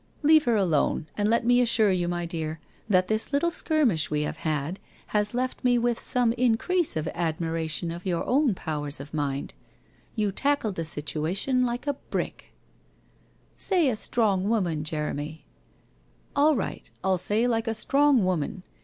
Leave her alone, and let me assure you, my dear, that this little skirmish we have had has left me with some increase of admiration of your own powers of mind. You tackled the situation like a brick '' Say a strong woman, Jeremy/ 1 All right, I'll say like a strong woman.